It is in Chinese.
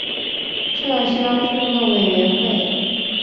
撤销数个委员会。